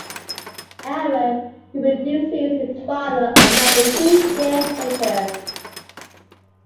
However, he predeceased his father, unmarried two years later.